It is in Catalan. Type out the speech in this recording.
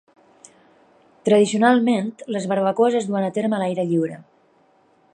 Tradicionalment, les barbacoes es duen a terme a l'aire lliure.